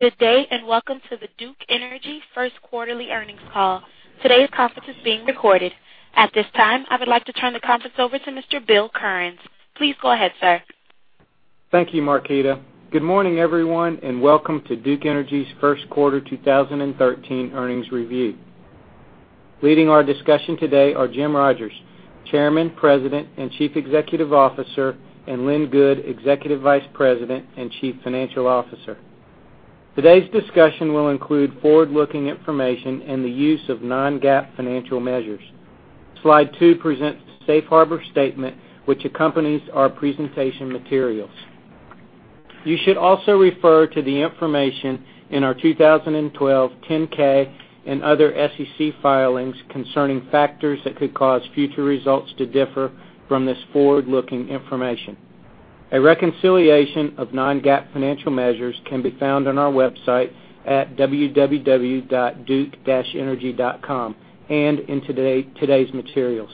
Good day, welcome to the Duke Energy first quarterly earnings call. Today's conference is being recorded. At this time, I would like to turn the conference over to Mr. Bill Currens. Please go ahead, sir. Thank you, Marquita. Good morning, everyone, welcome to Duke Energy's first quarter 2013 earnings review. Leading our discussion today are Jim Rogers, Chairman, President, and Chief Executive Officer, and Lynn Good, Executive Vice President and Chief Financial Officer. Today's discussion will include forward-looking information and the use of non-GAAP financial measures. Slide two presents the safe harbor statement which accompanies our presentation materials. You should also refer to the information in our 2012 10-K and other SEC filings concerning factors that could cause future results to differ from this forward-looking information. A reconciliation of non-GAAP financial measures can be found on our website at duke-energy.com and in today's materials.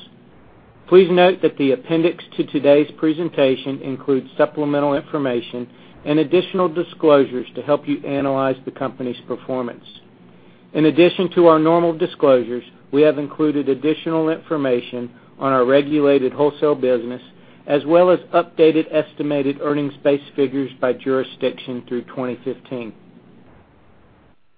Please note that the appendix to today's presentation includes supplemental information and additional disclosures to help you analyze the company's performance. In addition to our normal disclosures, we have included additional information on our regulated wholesale business, as well as updated estimated earnings-based figures by jurisdiction through 2015.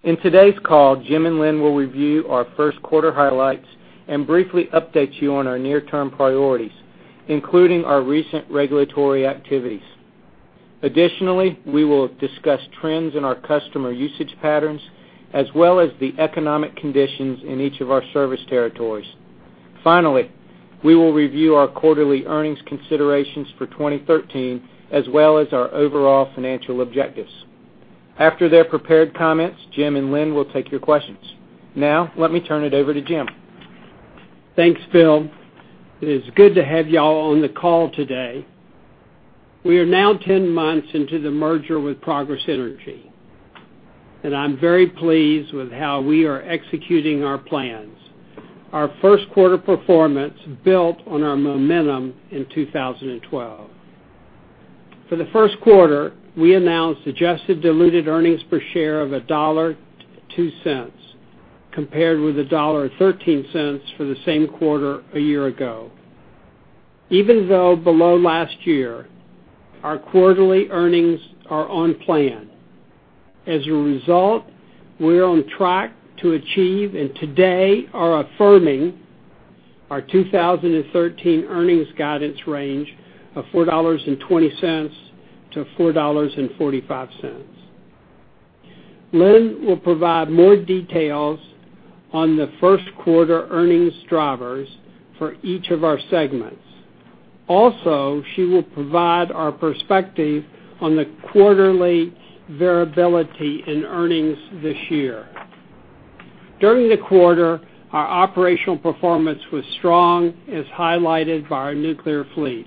In today's call, Jim and Lynn will review our first quarter highlights and briefly update you on our near-term priorities, including our recent regulatory activities. Additionally, we will discuss trends in our customer usage patterns, as well as the economic conditions in each of our service territories. Finally, we will review our quarterly earnings considerations for 2013, as well as our overall financial objectives. After their prepared comments, Jim and Lynn will take your questions. Let me turn it over to Jim. Thanks, Bill. It is good to have you all on the call today. We are now 10 months into the merger with Progress Energy, I'm very pleased with how we are executing our plans. Our first quarter performance built on our momentum in 2012. For the first quarter, we announced adjusted diluted earnings per share of $1.02, compared with $1.13 for the same quarter a year ago. Even though below last year, our quarterly earnings are on plan. As a result, we are on track to achieve and today are affirming our 2013 earnings guidance range of $4.20-$4.45. Lynn will provide more details on the first quarter earnings drivers for each of our segments. She will provide our perspective on the quarterly variability in earnings this year. During the quarter, our operational performance was strong, as highlighted by our nuclear fleet.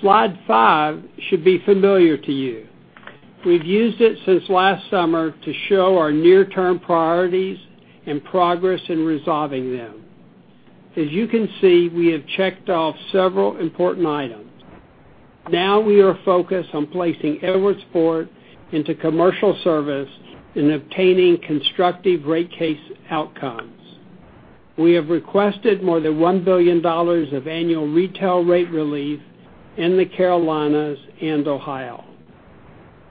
Slide five should be familiar to you. We've used it since last summer to show our near-term priorities and progress in resolving them. As you can see, we have checked off several important items. Now we are focused on placing Edwardsport into commercial service and obtaining constructive rate case outcomes. We have requested more than $1 billion of annual retail rate relief in the Carolinas and Ohio.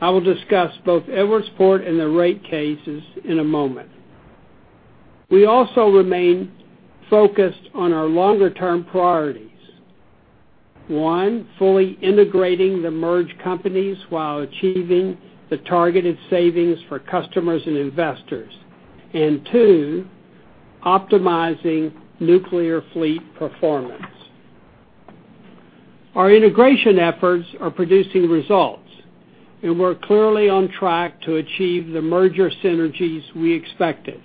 I will discuss both Edwardsport and the rate cases in a moment. We also remain focused on our longer term priorities. One, fully integrating the merged companies while achieving the targeted savings for customers and investors. And two, optimizing nuclear fleet performance. Our integration efforts are producing results, and we're clearly on track to achieve the merger synergies we expected.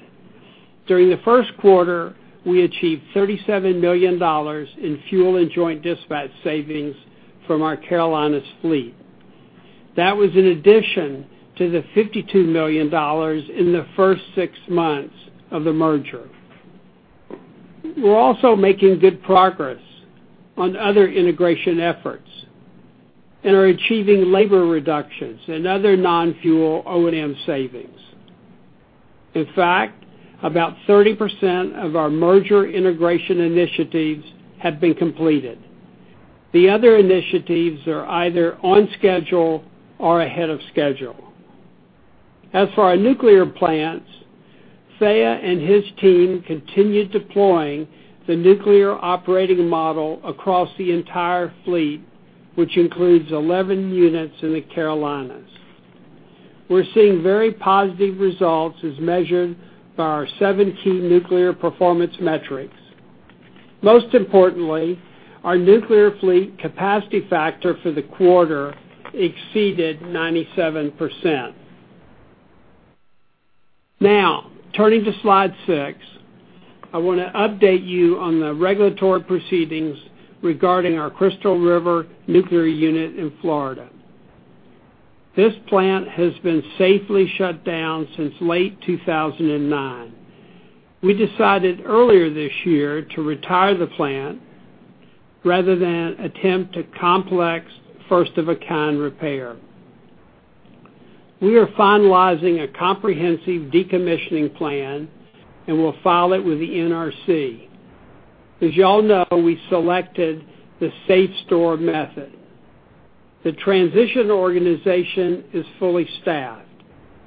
During the first quarter, we achieved $37 million in fuel and joint dispatch savings from our Carolinas fleet. That was in addition to the $52 million in the first six months of the merger. We're also making good progress on other integration efforts and are achieving labor reductions and other non-fuel O&M savings. In fact, about 30% of our merger integration initiatives have been completed. The other initiatives are either on schedule or ahead of schedule. As for our nuclear plants, Dhiaa and his team continued deploying the nuclear operating model across the entire fleet, which includes 11 units in the Carolinas. We're seeing very positive results as measured by our seven key nuclear performance metrics. Most importantly, our nuclear fleet capacity factor for the quarter exceeded 97%. Now, turning to Slide six, I want to update you on the regulatory proceedings regarding our Crystal River nuclear unit in Florida. This plant has been safely shut down since late 2009. We decided earlier this year to retire the plant rather than attempt a complex first-of-a-kind repair. We are finalizing a comprehensive decommissioning plan, and we'll file it with the NRC. As you all know, we selected the SAFSTOR method. The transition organization is fully staffed.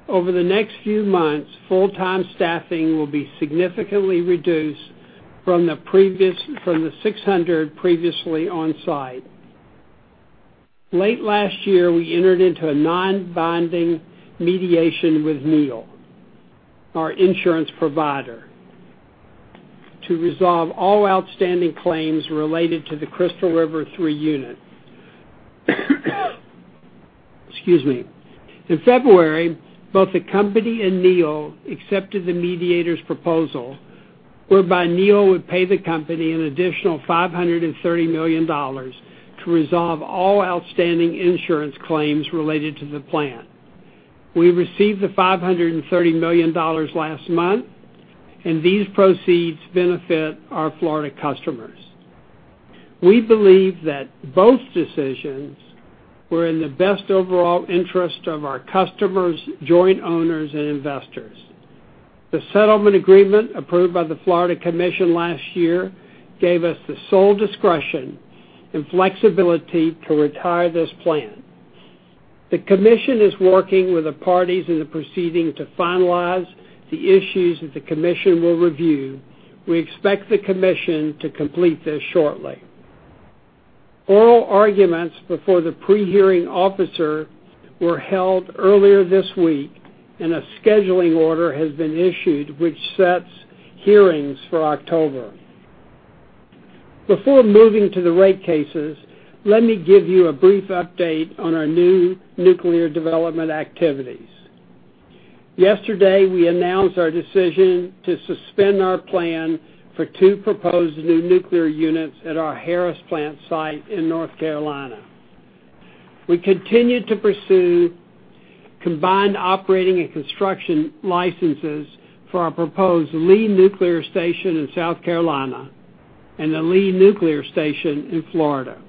Over the next few months, full-time staffing will be significantly reduced from the 600 previously on-site. Late last year, we entered into a non-binding mediation with NEIL, our insurance provider, to resolve all outstanding claims related to the Crystal River 3 unit. Excuse me. In February, both the company and NEIL accepted the mediator's proposal, whereby NEIL would pay the company an additional $530 million to resolve all outstanding insurance claims related to the plant. We received the $530 million last month. These proceeds benefit our Florida customers. We believe that both decisions were in the best overall interest of our customers, joint owners, and investors. The settlement agreement approved by the Florida Commission last year gave us the sole discretion and flexibility to retire this plant. The commission is working with the parties in the proceeding to finalize the issues that the commission will review. We expect the commission to complete this shortly. Oral arguments before the pre-hearing officer were held earlier this week. A scheduling order has been issued, which sets hearings for October. Before moving to the rate cases, let me give you a brief update on our new nuclear development activities. Yesterday, we announced our decision to suspend our plan for two proposed new nuclear units at our Harris plant site in North Carolina. We continue to pursue combined operating and construction licenses for our proposed Lee Nuclear Station in South Carolina and the Levy Nuclear Plant in Florida.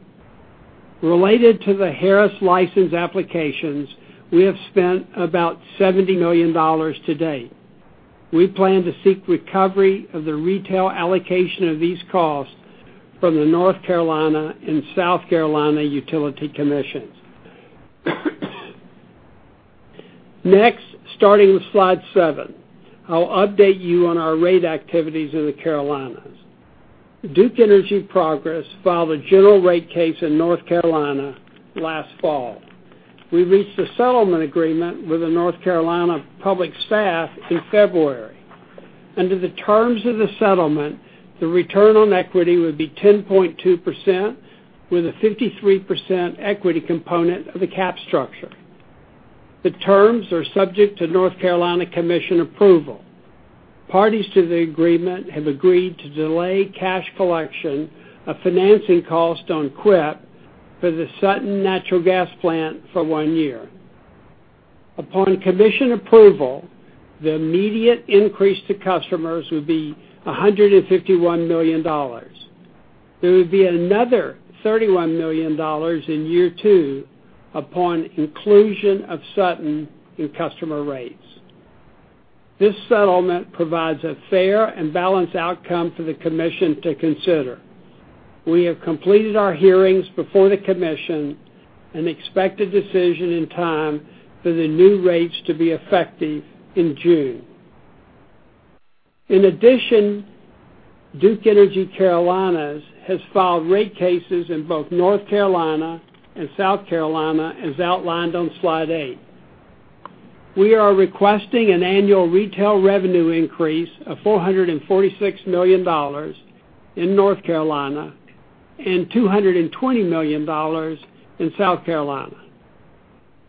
Related to the Harris license applications, we have spent about $70 million to date. We plan to seek recovery of the retail allocation of these costs from the North Carolina Utilities Commission and South Carolina utility commissions. Starting with slide seven, I'll update you on our rate activities in the Carolinas. Duke Energy Progress filed a general rate case in North Carolina last fall. We reached a settlement agreement with the North Carolina Public Staff in February. Under the terms of the settlement, the return on equity would be 10.2% with a 53% equity component of the cap structure. The terms are subject to North Carolina Commission approval. Parties to the agreement have agreed to delay cash collection of financing cost on CWIP for the Sutton natural gas plant for one year. Upon commission approval, the immediate increase to customers would be $151 million. There would be another $31 million in year two upon inclusion of Sutton in customer rates. This settlement provides a fair and balanced outcome for the commission to consider. We have completed our hearings before the commission and expect a decision in time for the new rates to be effective in June. In addition, Duke Energy Carolinas has filed rate cases in both North Carolina and South Carolina, as outlined on slide eight. We are requesting an annual retail revenue increase of $446 million in North Carolina and $220 million in South Carolina.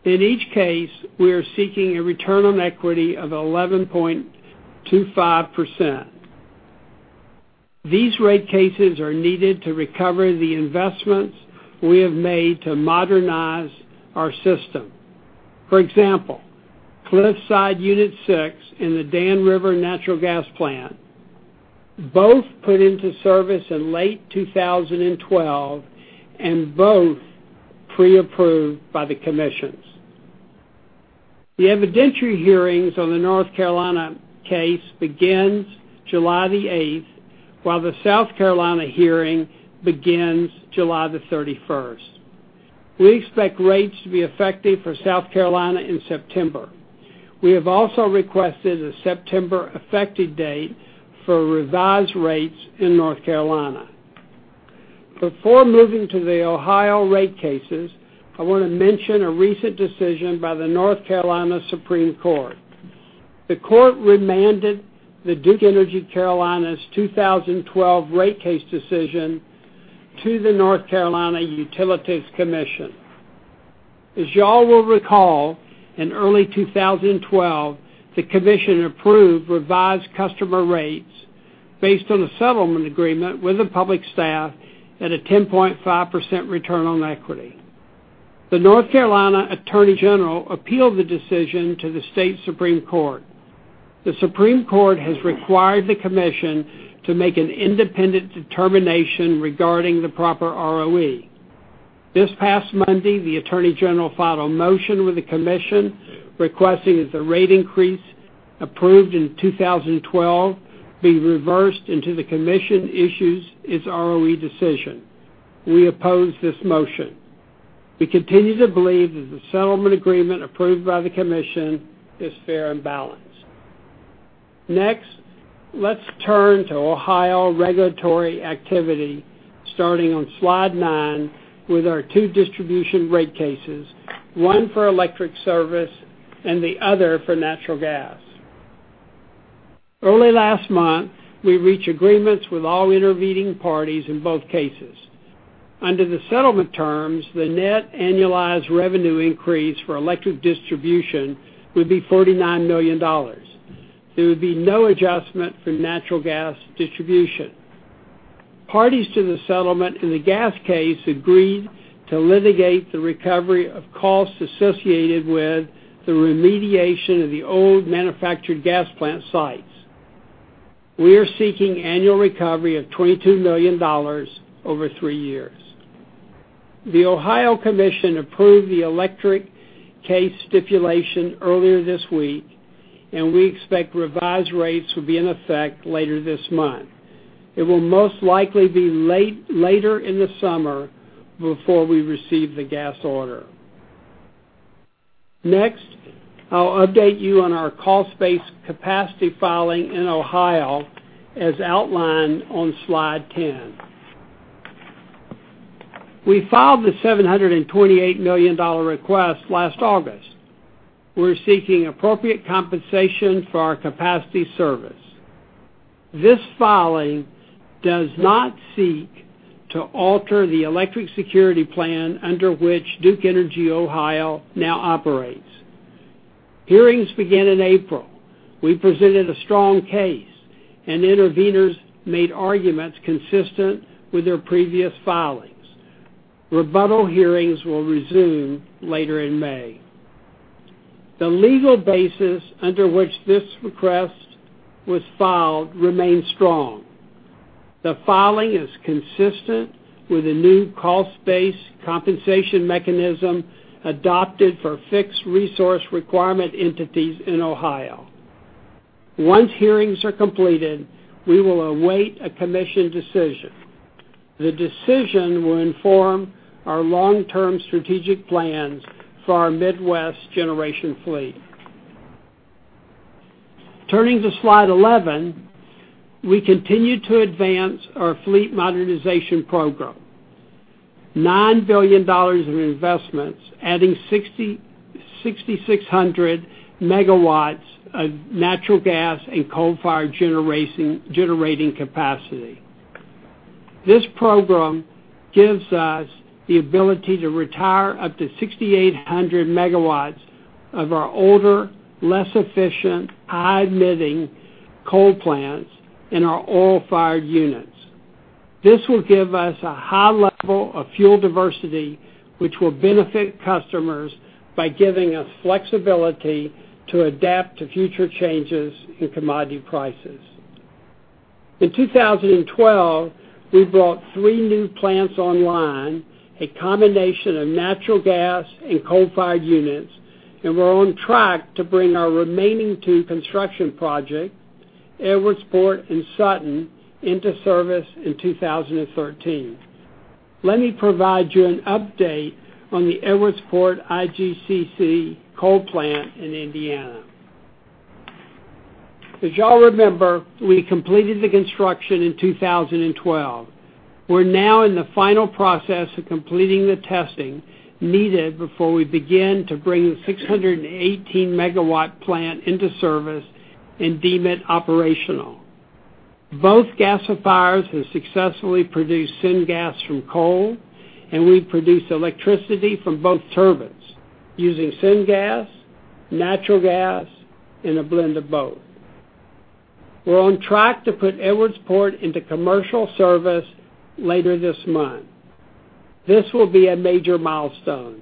In each case, we are seeking a return on equity of 11.25%. These rate cases are needed to recover the investments we have made to modernize our system. For example, Cliffside Unit Six and the Dan River Natural Gas Plant, both put into service in late 2012 and both pre-approved by the commissions. The evidentiary hearings on the North Carolina case begins July the 8th, while the South Carolina hearing begins July the 31st. We expect rates to be effective for South Carolina in September. We have also requested a September effective date for revised rates in North Carolina. Before moving to the Ohio rate cases, I want to mention a recent decision by the North Carolina Supreme Court. The court remanded the Duke Energy Carolinas 2012 rate case decision to the North Carolina Utilities Commission. As you all will recall, in early 2012, the commission approved revised customer rates based on a settlement agreement with the public staff at a 10.5% return on equity. The North Carolina Attorney General appealed the decision to the Supreme Court of North Carolina. The Supreme Court has required the Commission to make an independent determination regarding the proper ROE. This past Monday, the Attorney General filed a motion with the Commission requesting that the rate increase approved in 2012 be reversed until the Commission issues its ROE decision. We oppose this motion. We continue to believe that the settlement agreement approved by the Commission is fair and balanced. Let's turn to Ohio regulatory activity, starting on slide nine with our two distribution rate cases, one for electric service and the other for natural gas. Early last month, we reached agreements with all intervening parties in both cases. Under the settlement terms, the net annualized revenue increase for electric distribution would be $49 million. There would be no adjustment for natural gas distribution. Parties to the settlement in the gas case agreed to litigate the recovery of costs associated with the remediation of the old manufactured gas plant sites. We are seeking annual recovery of $22 million over three years. The Ohio Commission approved the electric case stipulation earlier this week, and we expect revised rates will be in effect later this month. It will most likely be later in the summer before we receive the gas order. Next, I'll update you on our cost-based capacity filing in Ohio, as outlined on slide 10. We filed the $728 million request last August. We're seeking appropriate compensation for our capacity service. This filing does not seek to alter the Electric Security Plan under which Duke Energy Ohio now operates. Hearings began in April. We presented a strong case, and interveners made arguments consistent with their previous filings. Rebuttal hearings will resume later in May. The legal basis under which this request was filed remains strong. The filing is consistent with the new cost-based compensation mechanism adopted for Fixed Resource Requirement entities in Ohio. Once hearings are completed, we will await a Commission decision. The decision will inform our long-term strategic plans for our Midwest generation fleet. Turning to slide 11, we continue to advance our fleet modernization program. $9 billion in investments, adding 6,600 megawatts of natural gas and coal-fired generating capacity. This program gives us the ability to retire up to 6,800 megawatts of our older, less efficient, high-emitting coal plants and our oil-fired units. This will give us a high level of fuel diversity, which will benefit customers by giving us flexibility to adapt to future changes in commodity prices. In 2012, we brought three new plants online, a combination of natural gas and coal-fired units, and we're on track to bring our remaining two construction project, Edwardsport and Sutton, into service in 2013. Let me provide you an update on the Edwardsport IGCC coal plant in Indiana. As you all remember, we completed the construction in 2012. We're now in the final process of completing the testing needed before we begin to bring the 618-megawatt plant into service and deem it operational. Both gasifiers have successfully produced syngas from coal, and we've produced electricity from both turbines using syngas, natural gas, and a blend of both. We're on track to put Edwardsport into commercial service later this month. This will be a major milestone.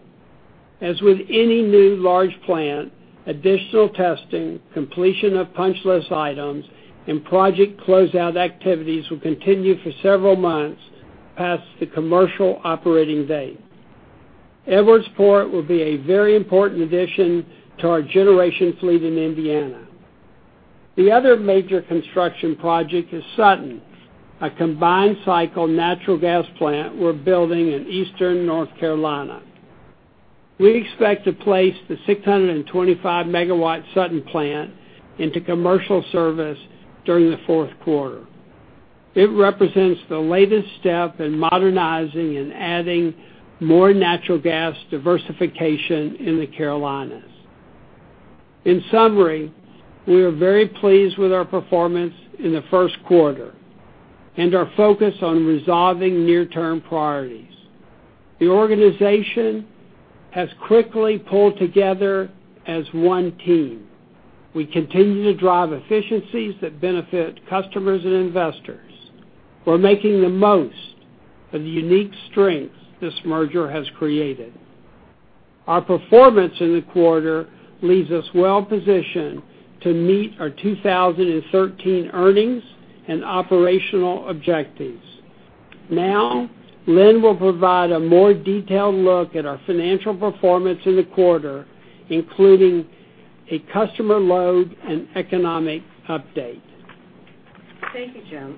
As with any new large plant, additional testing, completion of punch list items, and project closeout activities will continue for several months past the commercial operating date. Edwardsport will be a very important addition to our generation fleet in Indiana. The other major construction project is Sutton, a combined-cycle natural gas plant we're building in eastern North Carolina. We expect to place the 625-megawatt Sutton plant into commercial service during the fourth quarter. It represents the latest step in modernizing and adding more natural gas diversification in the Carolinas. In summary, we are very pleased with our performance in the first quarter and are focused on resolving near-term priorities. The organization has quickly pulled together as one team. We continue to drive efficiencies that benefit customers and investors. We're making the most of the unique strengths this merger has created. Our performance in the quarter leaves us well-positioned to meet our 2013 earnings and operational objectives. Now, Lynn will provide a more detailed look at our financial performance in the quarter, including a customer load and economic update. Thank you, Jim.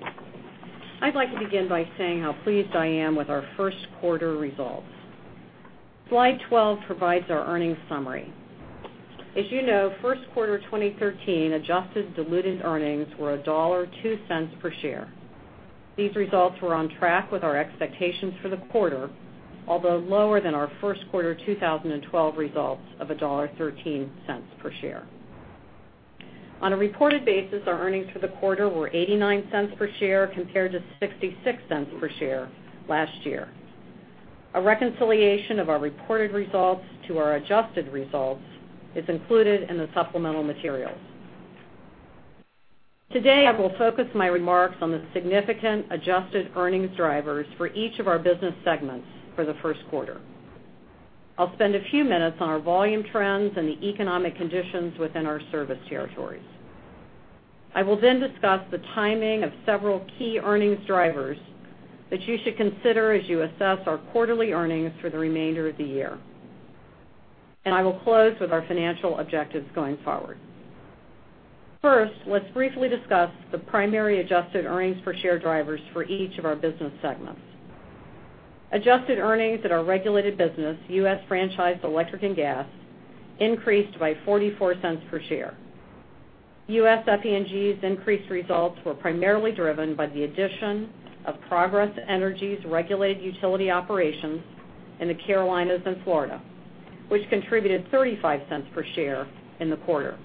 I'd like to begin by saying how pleased I am with our first quarter results. Slide 12 provides our earnings summary. As you know, first quarter 2013 adjusted diluted earnings were $1.02 per share. These results were on track with our expectations for the quarter, although lower than our first quarter 2012 results of $1.13 per share. On a reported basis, our earnings for the quarter were $0.89 per share compared to $0.66 per share last year. A reconciliation of our reported results to our adjusted results is included in the supplemental materials. Today, I will focus my remarks on the significant adjusted earnings drivers for each of our business segments for the first quarter. I'll spend a few minutes on our volume trends and the economic conditions within our service territories. I will then discuss the timing of several key earnings drivers that you should consider as you assess our quarterly earnings for the remainder of the year. I will close with our financial objectives going forward. First, let's briefly discuss the primary adjusted earnings per share drivers for each of our business segments. Adjusted earnings at our regulated business, U.S. Franchised Electric and Gas, increased by $0.44 per share. U.S. FE&G's increased results were primarily driven by the addition of Progress Energy's regulated utility operations in the Carolinas and Florida, which contributed $0.35 per share in the quarter.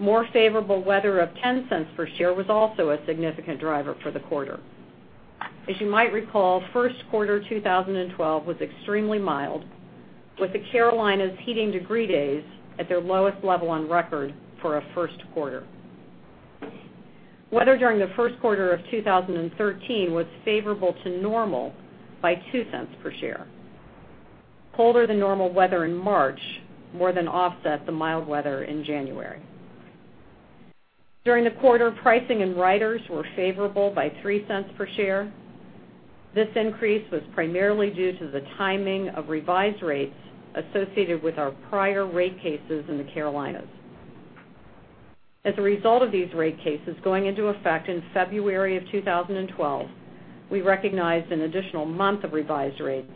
More favorable weather of $0.10 per share was also a significant driver for the quarter. As you might recall, first quarter 2012 was extremely mild, with the Carolinas' heating degree days at their lowest level on record for a first quarter. Weather during the first quarter of 2013 was favorable to normal by $0.02 per share. Colder than normal weather in March more than offset the mild weather in January. During the quarter, pricing and riders were favorable by $0.03 per share. This increase was primarily due to the timing of revised rates associated with our prior rate cases in the Carolinas. As a result of these rate cases going into effect in February of 2012, we recognized an additional month of revised rates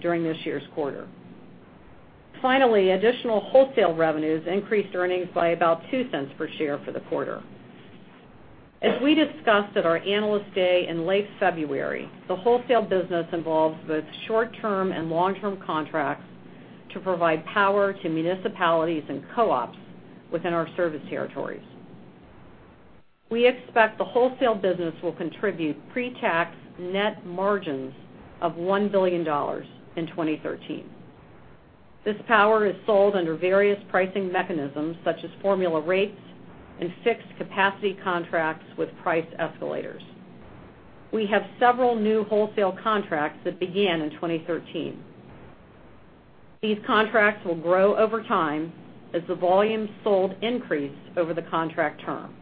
during this year's quarter. Finally, additional wholesale revenues increased earnings by about $0.02 per share for the quarter. As we discussed at our Analyst Day in late February, the wholesale business involves both short-term and long-term contracts to provide power to municipalities and co-ops within our service territories. We expect the wholesale business will contribute pretax net margins of $1 billion in 2013. This power is sold under various pricing mechanisms such as formula rates and fixed capacity contracts with price escalators. We have several new wholesale contracts that began in 2013. These contracts will grow over time as the volume sold increase over the contract term.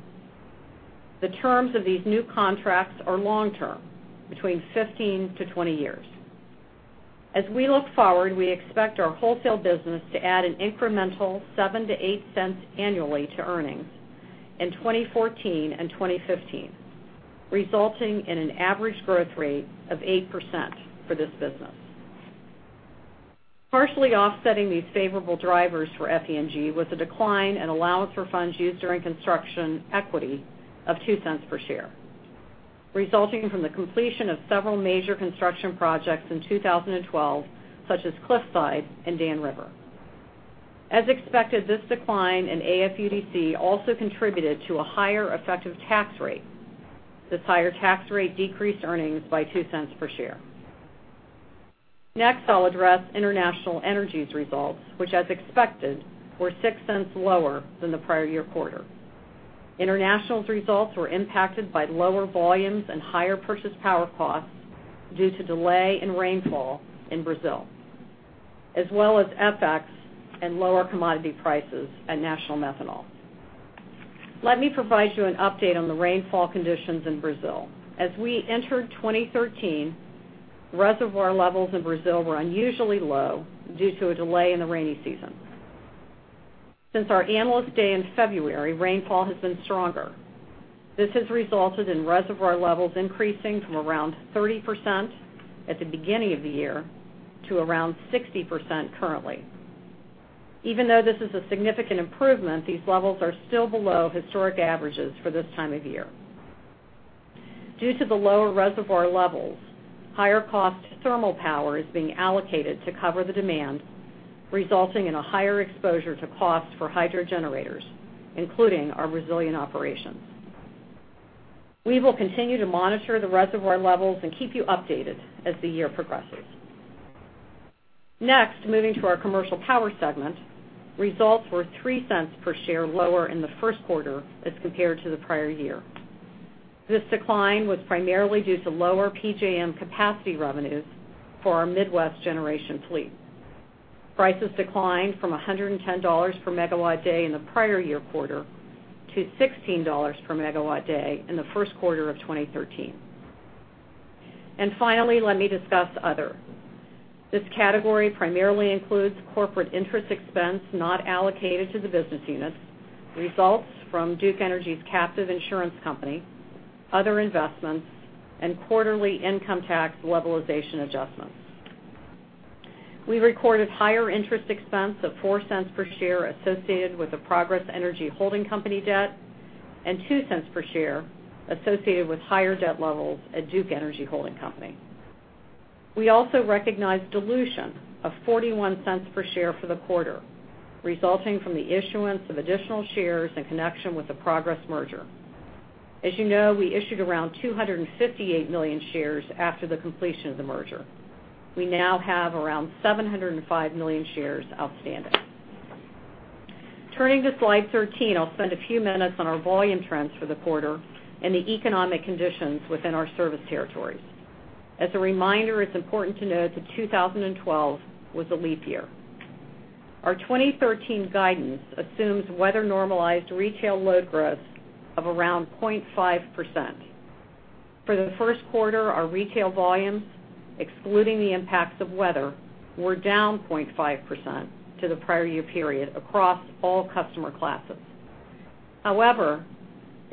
The terms of these new contracts are long-term, between 15-20 years. As we look forward, we expect our wholesale business to add an incremental $0.07-$0.08 annually to earnings in 2014 and 2015, resulting in an average growth rate of 8% for this business. Partially offsetting these favorable drivers for F&G was a decline in allowance for funds used during construction equity of $0.02 per share, resulting from the completion of several major construction projects in 2012, such as Cliffside and Dan River. As expected, this decline in AFUDC also contributed to a higher effective tax rate. This higher tax rate decreased earnings by $0.02 per share. Next, I'll address International Energy's results, which as expected, were $0.06 lower than the prior year quarter. International's results were impacted by lower volumes and higher purchase power costs due to delay in rainfall in Brazil, as well as FX and lower commodity prices at National Methanol. Let me provide you an update on the rainfall conditions in Brazil. As we entered 2013, reservoir levels in Brazil were unusually low due to a delay in the rainy season. Since our Analyst Day in February, rainfall has been stronger. This has resulted in reservoir levels increasing from around 30% at the beginning of the year to around 60% currently. Even though this is a significant improvement, these levels are still below historic averages for this time of year. Due to the lower reservoir levels, higher-cost thermal power is being allocated to cover the demand, resulting in a higher exposure to cost for hydro generators, including our Brazillian operation. We will continue to monitor the reservoir levels and keep you updated as the year progresses. Next, moving to our commercial power segment, results were $0.03 per share lower in the first quarter as compared to the prior year. This decline was primarily due to lower PJM capacity revenues for our Midwest generation fleet. Prices declined from $110 per megawatt day in the prior year quarter to $16 per megawatt day in the first quarter of 2013. Finally, let me discuss other. This category primarily includes corporate interest expense not allocated to the business units, results from Duke Energy's captive insurance company, other investments, and quarterly income tax levelization adjustments. We recorded higher interest expense of $0.04 per share associated with the Progress Energy holding company debt and $0.02 per share associated with higher debt levels at Duke Energy holding company. We also recognized dilution of $0.41 per share for the quarter, resulting from the issuance of additional shares in connection with the Progress merger. As you know, we issued around 258 million shares after the completion of the merger. We now have around 705 million shares outstanding. Turning to slide 13, I'll spend a few minutes on our volume trends for the quarter and the economic conditions within our service territories. As a reminder, it's important to note that 2012 was a leap year. Our 2013 guidance assumes weather-normalized retail load growth of around 0.5%. For the first quarter, our retail volumes, excluding the impacts of weather, were down 0.5% to the prior year period across all customer classes. However,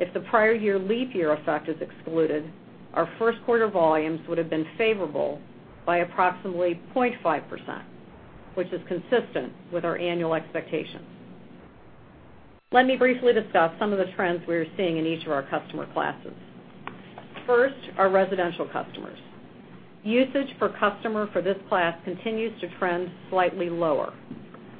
if the prior year leap year effect is excluded, our first quarter volumes would have been favorable by approximately 0.5%, which is consistent with our annual expectations. Let me briefly discuss some of the trends we are seeing in each of our customer classes. First, our residential customers. Usage per customer for this class continues to trend slightly lower.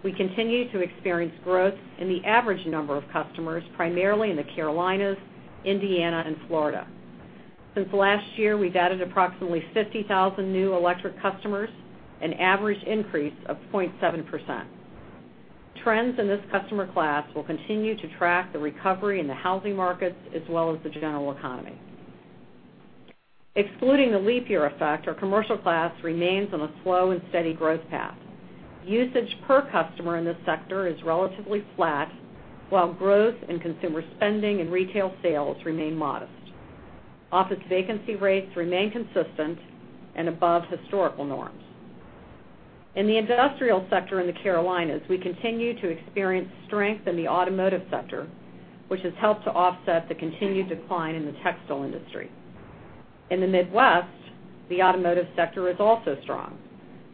We continue to experience growth in the average number of customers, primarily in the Carolinas, Indiana, and Florida. Since last year, we have added approximately 50,000 new electric customers, an average increase of 0.7%. Trends in this customer class will continue to track the recovery in the housing markets as well as the general economy. Excluding the leap year effect, our commercial class remains on a slow and steady growth path. Usage per customer in this sector is relatively flat, while growth in consumer spending and retail sales remain modest. Office vacancy rates remain consistent and above historical norms. In the industrial sector in the Carolinas, we continue to experience strength in the automotive sector, which has helped to offset the continued decline in the textile industry. In the Midwest, the automotive sector is also strong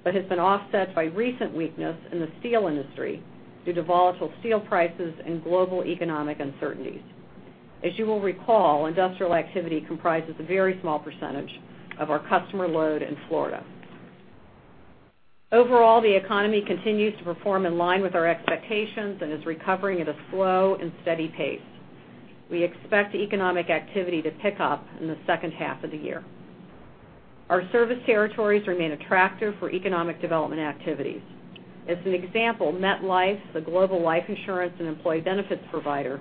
but has been offset by recent weakness in the steel industry due to volatile steel prices and global economic uncertainties. As you will recall, industrial activity comprises a very small percentage of our customer load in Florida. Overall, the economy continues to perform in line with our expectations and is recovering at a slow and steady pace. We expect economic activity to pick up in the second half of the year. Our service territories remain attractive for economic development activities. As an example, MetLife, the global life insurance and employee benefits provider,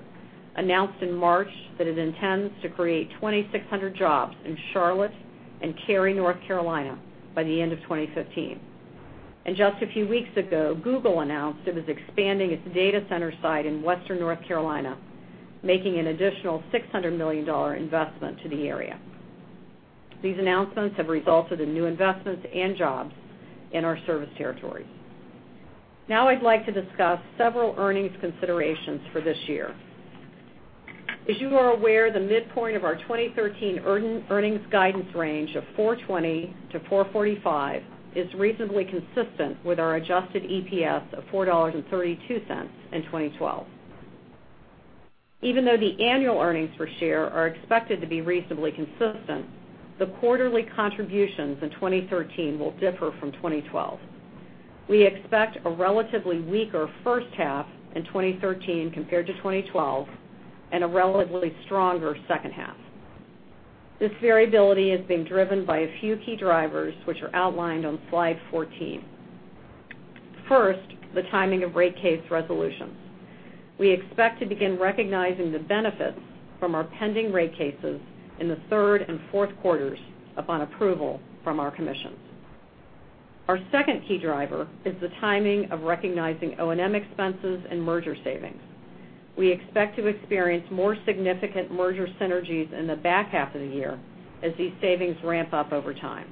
announced in March that it intends to create 2,600 jobs in Charlotte and Cary, North Carolina, by the end of 2015. Just a few weeks ago, Google announced it was expanding its data center site in western North Carolina, making an additional $600 million investment to the area. These announcements have resulted in new investments and jobs in our service territories. Now I would like to discuss several earnings considerations for this year. As you are aware, the midpoint of our 2013 earnings guidance range of $4.20-$4.45 is reasonably consistent with our adjusted EPS of $4.32 in 2012. Even though the annual earnings per share are expected to be reasonably consistent, the quarterly contributions in 2013 will differ from 2012. We expect a relatively weaker first half in 2013 compared to 2012 and a relatively stronger second half. This variability is being driven by a few key drivers, which are outlined on slide 14. First, the timing of rate case resolutions. We expect to begin recognizing the benefits from our pending rate cases in the third and fourth quarters upon approval from our commissions. Our second key driver is the timing of recognizing O&M expenses and merger savings. We expect to experience more significant merger synergies in the back half of the year as these savings ramp up over time.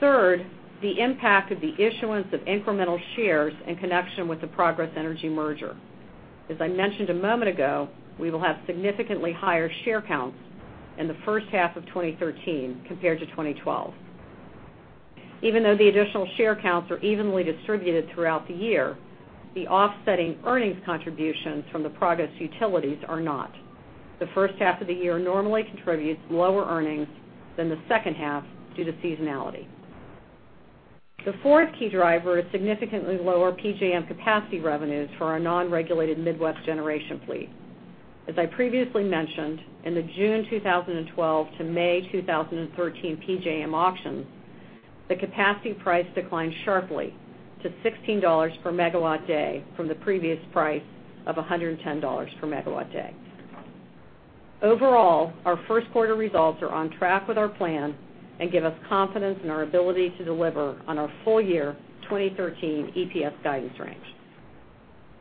Third, the impact of the issuance of incremental shares in connection with the Progress Energy merger. As I mentioned a moment ago, we will have significantly higher share counts in the first half of 2013 compared to 2012. Even though the additional share counts are evenly distributed throughout the year, the offsetting earnings contributions from the Progress utilities are not. The first half of the year normally contributes lower earnings than the second half due to seasonality. The fourth key driver is significantly lower PJM capacity revenues for our non-regulated Midwest generation fleet. As I previously mentioned, in the June 2012 to May 2013 PJM auction, the capacity price declined sharply to $16 per megawatt day from the previous price of $110 per megawatt day. Overall, our first quarter results are on track with our plan and give us confidence in our ability to deliver on our full year 2013 EPS guidance range.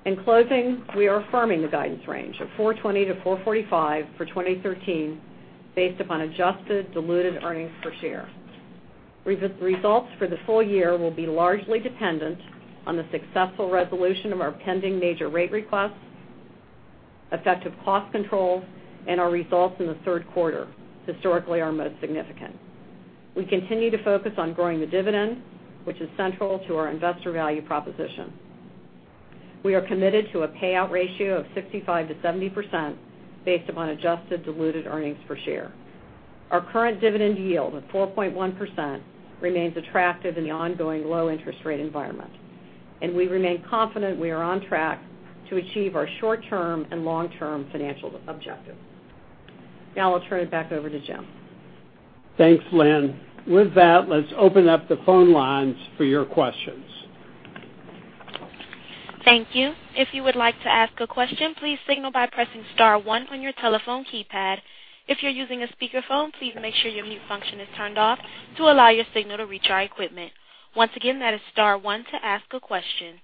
In closing, we are affirming the guidance range of $4.20 to $4.45 for 2013 based upon adjusted diluted earnings per share. Results for the full year will be largely dependent on the successful resolution of our pending major rate requests, effective cost controls, and our results in the third quarter, historically our most significant. We continue to focus on growing the dividend, which is central to our investor value proposition. We are committed to a payout ratio of 65%-70% based upon adjusted diluted earnings per share. Our current dividend yield of 4.1% remains attractive in the ongoing low interest rate environment. We remain confident we are on track to achieve our short-term and long-term financial objectives. Now I'll turn it back over to Jim. Thanks, Lynn. With that, let's open up the phone lines for your questions. Thank you. If you would like to ask a question, please signal by pressing star one on your telephone keypad. If you're using a speakerphone, please make sure your mute function is turned off to allow your signal to reach our equipment. Once again, that is star one to ask a question.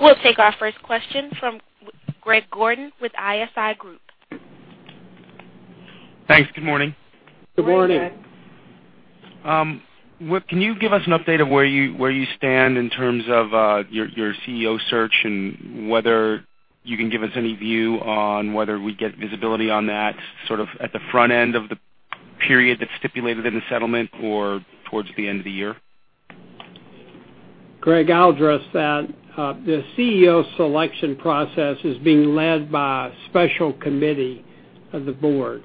We'll take our first question from Greg Gordon with ISI Group. Thanks. Good morning. Good morning. Good morning. Can you give us an update of where you stand in terms of your CEO search and whether you can give us any view on whether we'd get visibility on that sort of at the front end of the period that's stipulated in the settlement or towards the end of the year? Greg, I'll address that. The CEO selection process is being led by a special committee of the board.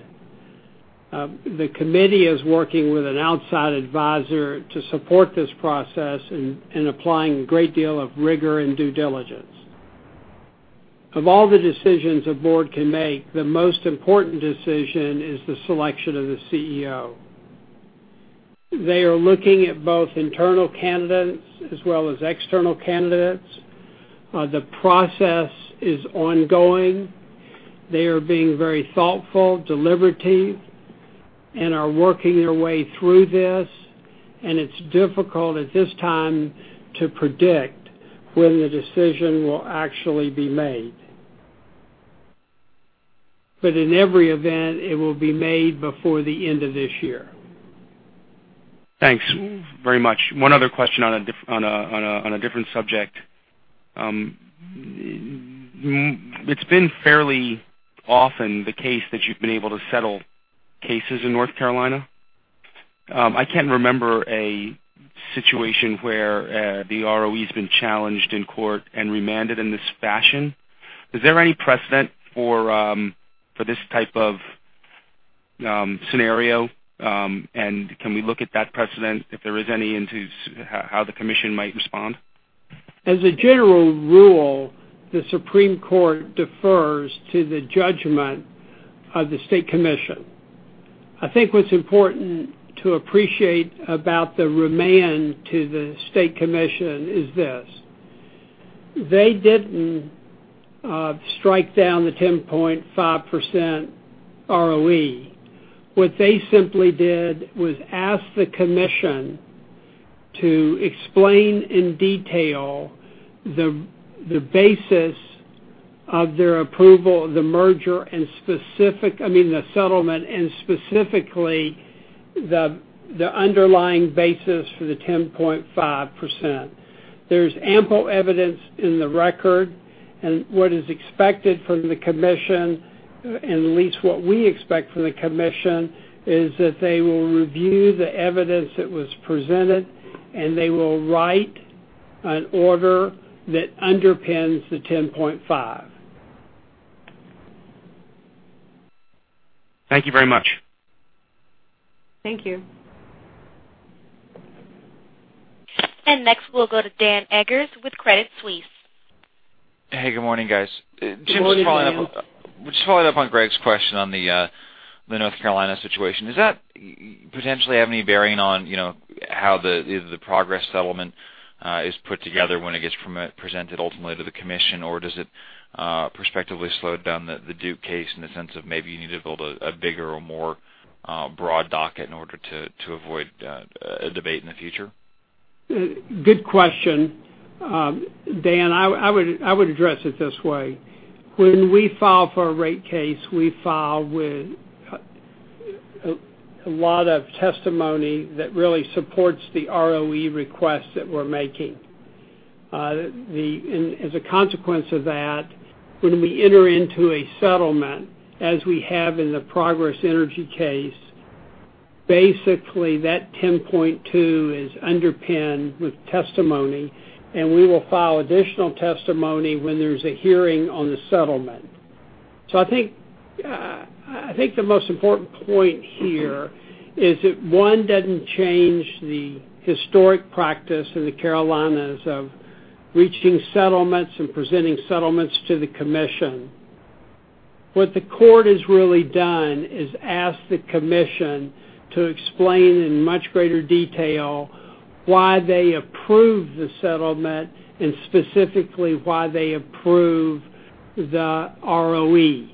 The committee is working with an outside advisor to support this process in applying a great deal of rigor and due diligence. Of all the decisions a board can make, the most important decision is the selection of the CEO. They are looking at both internal candidates as well as external candidates. The process is ongoing. They are being very thoughtful, deliberative, and are working their way through this, and it's difficult at this time to predict when the decision will actually be made. In every event, it will be made before the end of this year. Thanks very much. One other question on a different subject. It's been fairly often the case that you've been able to settle cases in North Carolina. I can't remember a situation where the ROE's been challenged in court and remanded in this fashion. Is there any precedent for this type of scenario? Can we look at that precedent, if there is any, into how the commission might respond? As a general rule, the Supreme Court defers to the judgment of the state commission. I think what's important to appreciate about the remand to the state commission is this. They didn't strike down the 10.5% ROE. What they simply did was ask the commission to explain in detail the basis of their approval of the merger and specific, I mean, the settlement, and specifically the underlying basis for the 10.5%. There's ample evidence in the record. What is expected from the commission, at least what we expect from the commission, is that they will review the evidence that was presented. They will write an order that underpins the 10.5%. Thank you very much. Thank you. Next, we'll go to Dan Eggers with Credit Suisse. Hey, good morning, guys. Good morning. Just following up on Greg's question on the North Carolina situation. Does that potentially have any bearing on how the Progress settlement is put together when it gets presented ultimately to the commission, or does it prospectively slow down the Duke case in the sense of maybe you need to build a bigger or more broad docket in order to avoid a debate in the future? Good question. Dan, I would address it this way. When we file for a rate case, we file with a lot of testimony that really supports the ROE request that we're making. As a consequence of that, when we enter into a settlement, as we have in the Progress Energy case, basically, that 10.2 is underpinned with testimony, and we will file additional testimony when there's a hearing on the settlement. I think the most important point here is that one doesn't change the historic practice in the Carolinas of reaching settlements and presenting settlements to the commission. What the court has really done is ask the commission to explain, in much greater detail, why they approved the settlement and specifically why they approved the ROE.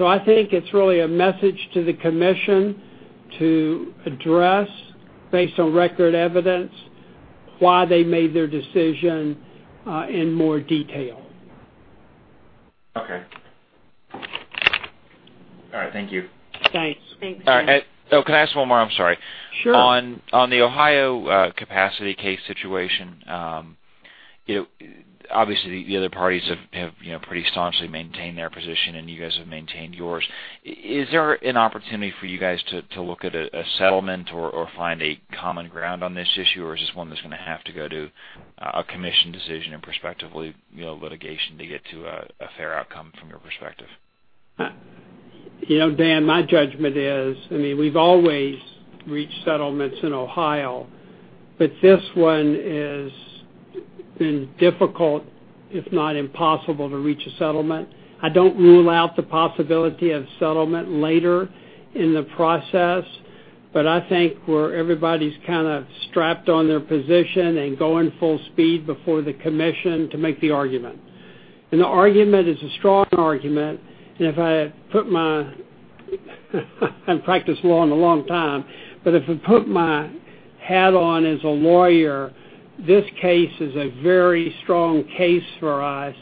I think it's really a message to the commission to address, based on record evidence, why they made their decision in more detail. Okay. All right, thank you. Thanks. Thanks. All right. Oh, can I ask one more? I'm sorry. Sure. On the Ohio capacity case situation, obviously, the other parties have pretty staunchly maintained their position, and you guys have maintained yours. Is there an opportunity for you guys to look at a settlement or find a common ground on this issue, or is this one that's going to have to go to a commission decision and prospectively litigation to get to a fair outcome from your perspective? Dan, my judgment is, we've always reached settlements in Ohio, but this one has been difficult, if not impossible, to reach a settlement. I don't rule out the possibility of settlement later in the process, but I think where everybody's kind of strapped on their position and going full speed before the commission to make the argument. The argument is a strong argument. I've practiced law a long time, but if I put my hat on as a lawyer, this case is a very strong case for us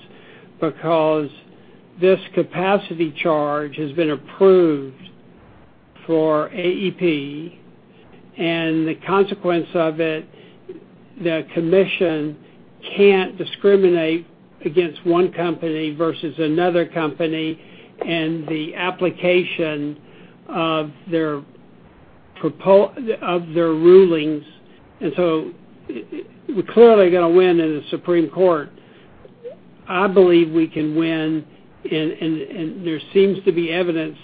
because this capacity charge has been approved for AEP, and the consequence of it, the commission can't discriminate against one company versus another company in the application of their rulings. So we're clearly going to win in the Supreme Court. I believe we can win, and there seems to be evidence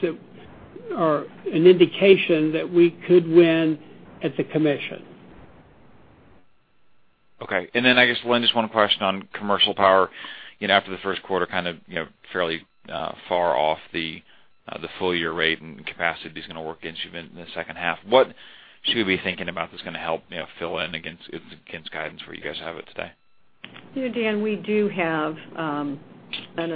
or an indication that we could win at the commission. Okay. I guess, Lynn, just one question on commercial power. After the first quarter, kind of fairly far off the full-year rate and capacity is going to work against you in the second half. What should we be thinking about that's going to help fill in against guidance where you guys have it today? Dan, we do have an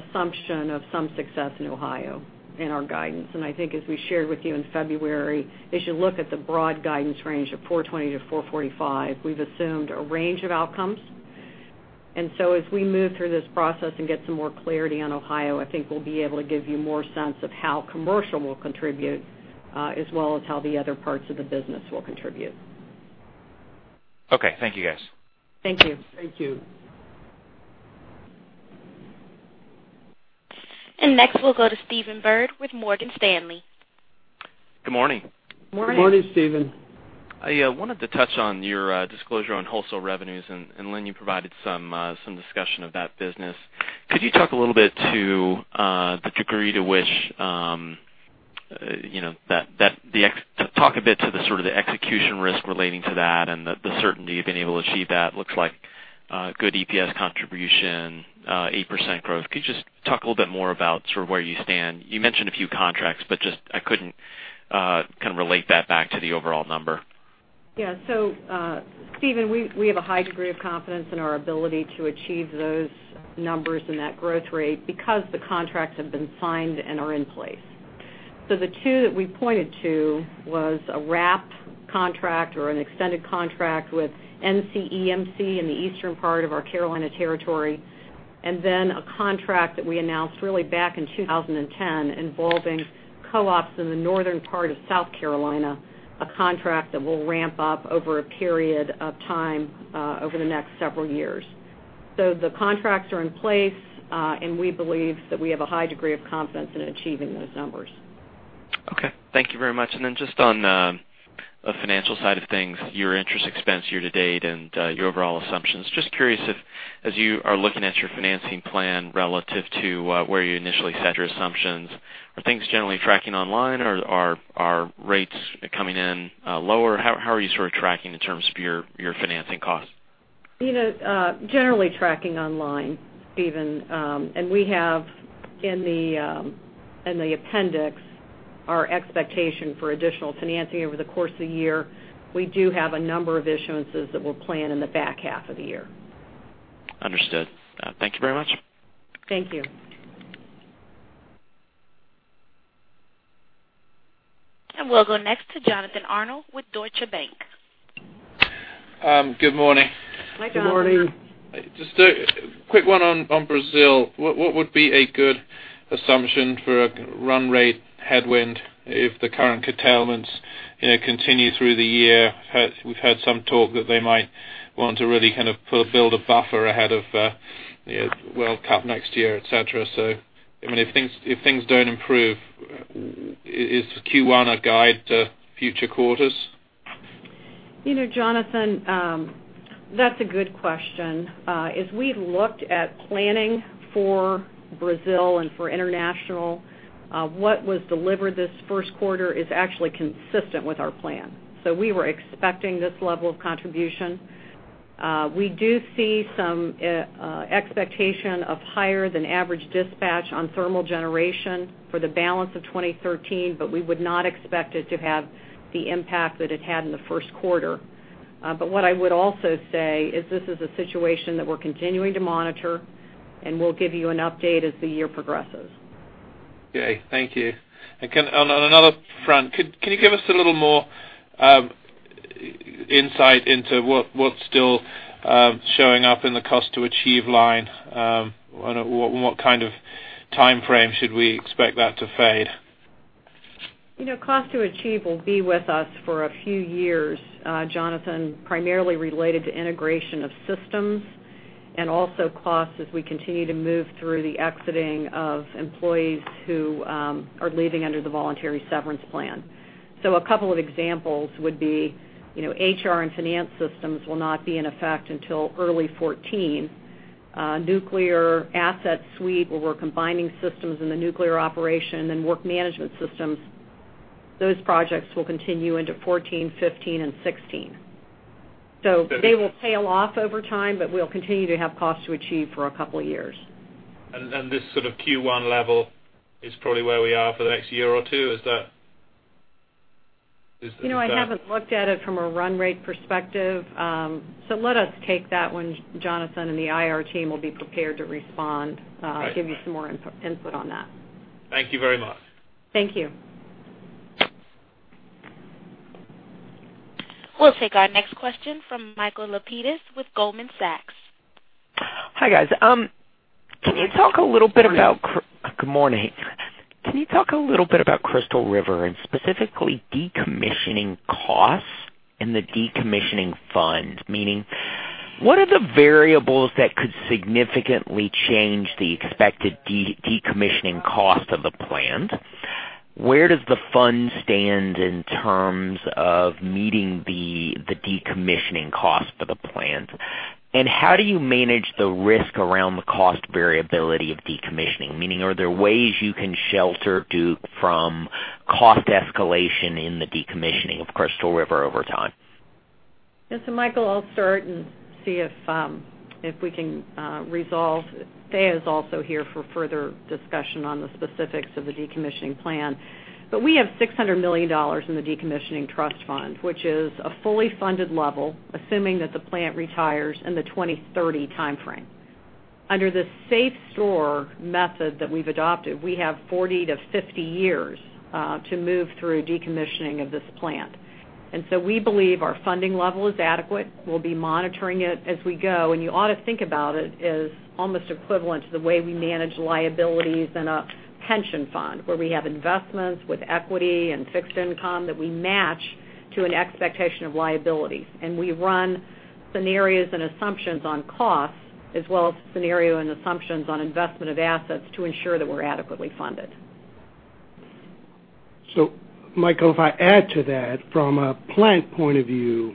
assumption of some success in Ohio in our guidance. I think as we shared with you in February, as you look at the broad guidance range of 420-445, we've assumed a range of outcomes. So as we move through this process and get some more clarity on Ohio, I think we'll be able to give you more sense of how commercial will contribute, as well as how the other parts of the business will contribute. Okay. Thank you, guys. Thank you. Thank you. Next, we'll go to Stephen Byrd with Morgan Stanley. Good morning. Morning. Good morning, Stephen. I wanted to touch on your disclosure on wholesale revenues. Lynn, you provided some discussion of that business. Could you talk a little bit to the degree to which talk a bit to the sort of the execution risk relating to that and the certainty you've been able to achieve that. Looks like good EPS contribution, 8% growth. Could you just talk a little bit more about sort of where you stand? You mentioned a few contracts, but just I couldn't kind of relate that back to the overall number. Yeah. Stephen, we have a high degree of confidence in our ability to achieve those numbers and that growth rate because the contracts have been signed and are in place. The two that we pointed to was a wrap contract or an extended contract with NCEMC in the eastern part of our Carolina territory, and then a contract that we announced really back in 2010 involving co-ops in the northern part of South Carolina, a contract that will ramp up over a period of time over the next several years. The contracts are in place, and we believe that we have a high degree of confidence in achieving those numbers. Okay. Thank you very much. Then just on the financial side of things, your interest expense year-to-date and your overall assumptions. Just curious if, as you are looking at your financing plan relative to where you initially set your assumptions, are things generally tracking online or are rates coming in lower? How are you sort of tracking in terms of your financing costs? Generally tracking online, Stephen. We have in the appendix our expectation for additional financing over the course of the year. We do have a number of issuances that we'll plan in the back half of the year. Understood. Thank you very much. Thank you. We'll go next to Jonathan Arnold with Deutsche Bank. Good morning. Hi, Jonathan. Good morning. Just a quick one on Brazil. What would be a good assumption for a run rate headwind if the current curtailments continue through the year? We've heard some talk that they might want to really kind of build a buffer ahead of the World Cup next year, et cetera. I mean, if things don't improve, is Q1 a guide to future quarters? Jonathan, that's a good question. As we've looked at planning for Brazil and for international, what was delivered this first quarter is actually consistent with our plan. We were expecting this level of contribution. We do see some expectation of higher than average dispatch on thermal generation for the balance of 2013, we would not expect it to have the impact that it had in the first quarter. What I would also say is this is a situation that we're continuing to monitor, and we'll give you an update as the year progresses. On another front, can you give us a little more insight into what's still showing up in the cost to achieve line? In what kind of timeframe should we expect that to fade? Cost to achieve will be with us for a few years, Jonathan, primarily related to integration of systems and also costs as we continue to move through the exiting of employees who are leaving under the voluntary severance plan. A couple of examples would be HR and finance systems will not be in effect until early 2014. Nuclear asset suite, where we're combining systems in the nuclear operation and work management systems, those projects will continue into 2014, 2015, and 2016. They will tail off over time, but we'll continue to have cost to achieve for a couple of years. This sort of Q1 level is probably where we are for the next year or two. Is that? I haven't looked at it from a run rate perspective. Let us take that one, Jonathan, and the IR team will be prepared to respond. Great give you some more input on that. Thank you very much. Thank you. We'll take our next question from Michael Lapides with Goldman Sachs. Hi, guys. Good morning. Can you talk a little bit about Crystal River and specifically decommissioning costs and the decommissioning fund? Meaning, what are the variables that could significantly change the expected decommissioning cost of the plant? Where does the fund stand in terms of meeting the decommissioning cost for the plant? How do you manage the risk around the cost variability of decommissioning? Meaning, are there ways you can shelter Duke from cost escalation in the decommissioning of Crystal River over time? Yes. Michael, I'll start and see if we can resolve. Dhiaa is also here for further discussion on the specifics of the decommissioning plan. We have $600 million in the decommissioning trust fund, which is a fully funded level, assuming that the plant retires in the 2030 timeframe. Under the SAFSTOR method that we've adopted, we have 40 to 50 years to move through decommissioning of this plant. We believe our funding level is adequate. We'll be monitoring it as we go. You ought to think about it as almost equivalent to the way we manage liabilities in a pension fund, where we have investments with equity and fixed income that we match to an expectation of liabilities. We run scenarios and assumptions on costs as well as scenario and assumptions on investment of assets to ensure that we're adequately funded. Michael, if I add to that from a plant point of view,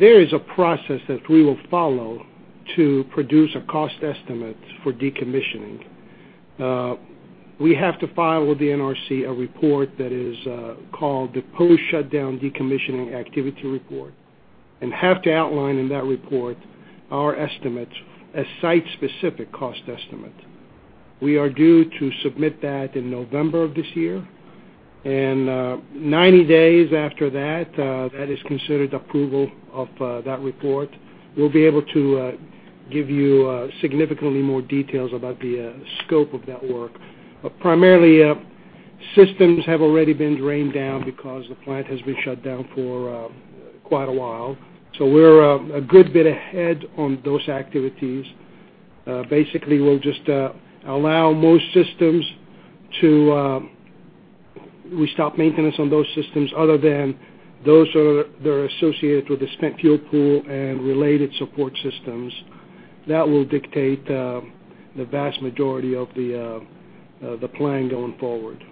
there is a process that we will follow to produce a cost estimate for decommissioning. We have to file with the NRC a report that is called the Post-Shutdown Decommissioning Activities Report and have to outline in that report our estimates as site-specific cost estimate. We are due to submit that in November of this year, 90 days after that is considered approval of that report. We'll be able to give you significantly more details about the scope of that work. Primarily, systems have already been drained down because the plant has been shut down for quite a while. We're a good bit ahead on those activities. Basically, we'll just allow most systems. We stop maintenance on those systems other than those that are associated with the spent fuel pool and related support systems. That will dictate the vast majority of the plan going forward.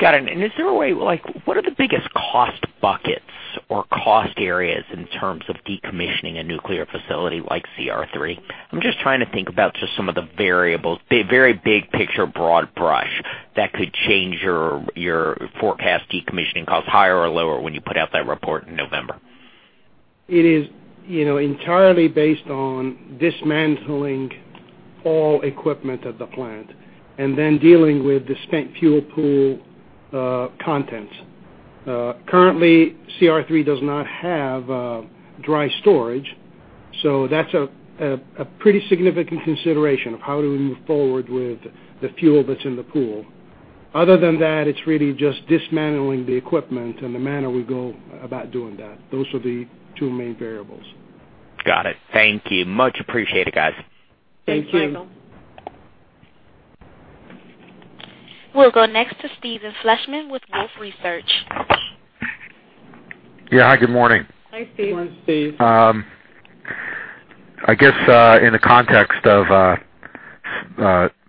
Got it. What are the biggest cost buckets or cost areas in terms of decommissioning a nuclear facility like CR3? I'm just trying to think about just some of the variables, very big picture, broad brush, that could change your forecast decommissioning costs higher or lower when you put out that report in November. It is entirely based on dismantling all equipment at the plant and then dealing with the spent fuel pool contents. Currently, CR3 does not have dry storage, so that's a pretty significant consideration of how do we move forward with the fuel that's in the pool. Other than that, it's really just dismantling the equipment and the manner we go about doing that. Those are the two main variables. Got it. Thank you. Much appreciated, guys. Thanks, Michael. We'll go next to Steve Fleishman with Wolfe Research. Yeah. Hi, good morning. Hi, Steve. Good morning, Steve. I guess, in the context of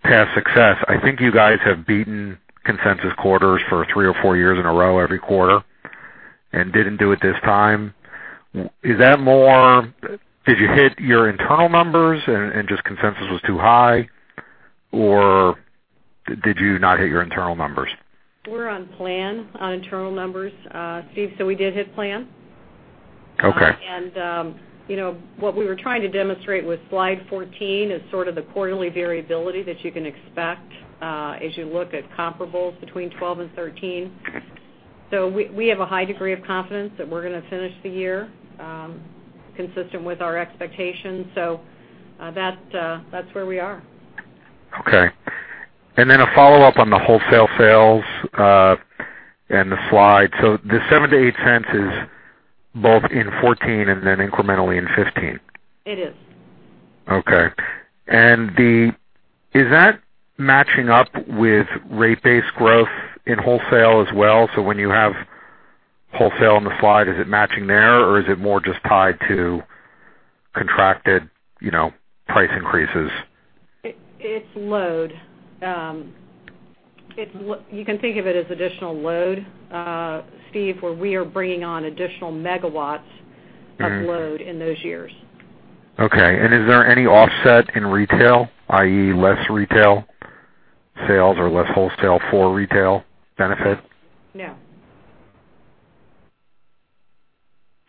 past success, I think you guys have beaten consensus quarters for three or four years in a row every quarter and didn't do it this time. Did you hit your internal numbers and just consensus was too high, or did you not hit your internal numbers? We're on plan on internal numbers, Steve, so we did hit plan. Okay. What we were trying to demonstrate with slide 14 is sort of the quarterly variability that you can expect as you look at comparables between 2012 and 2013. We have a high degree of confidence that we're going to finish the year consistent with our expectations. That's where we are. Okay. A follow-up on the wholesale sales and the slide. The $0.07-$0.08 is both in 2014 and then incrementally in 2015? It is. Okay. Is that matching up with rate-based growth in wholesale as well? When you have wholesale on the slide, is it matching there, or is it more just tied to contracted price increases? It's load. You can think of it as additional load, Steve, where we are bringing on additional megawatts of load in those years. Okay. Is there any offset in retail, i.e., less retail sales or less wholesale for retail benefit? No.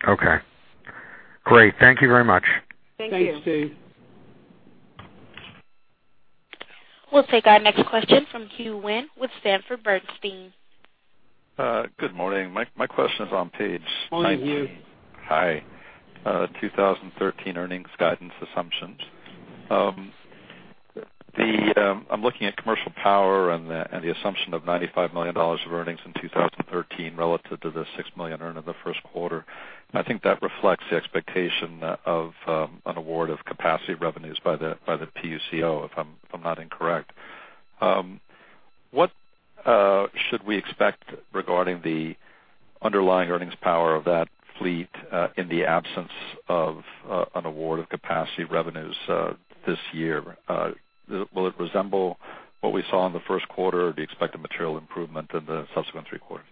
Okay. Great. Thank you very much. Thank you. Thanks, Steve. We'll take our next question from Hugh Wynne with Sanford C. Bernstein. Good morning. My question is on page 19. Morning, Hugh. Hi. 2013 earnings guidance assumptions. I'm looking at commercial power and the assumption of $95 million of earnings in 2013 relative to the $6 million earn in the first quarter. I think that reflects the expectation of an award of capacity revenues by the PUCO, if I'm not incorrect. What should we expect regarding the underlying earnings power of that fleet in the absence of an award of capacity revenues this year? Will it resemble what we saw in the first quarter or do you expect a material improvement in the subsequent three quarters?